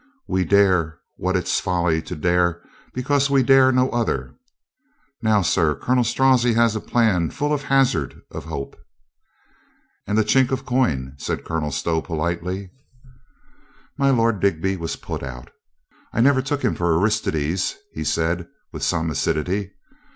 We dare what it's folly to dare because we dare no other. Now, sir. Colonel Strozzi had a plan full of the hazard of hope —" "And of the chink of coin?" said Colonel Stow politely. My Lord Digby was put out. "I never took him for Aristides," he said with some acidity.